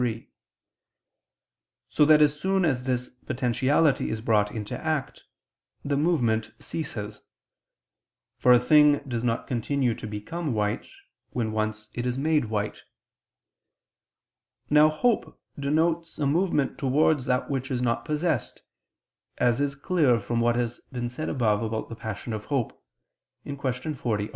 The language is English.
iii): so that as soon as this potentiality is brought into act, the movement ceases; for a thing does not continue to become white, when once it is made white. Now hope denotes a movement towards that which is not possessed, as is clear from what we have said above about the passion of hope (Q. 40, AA.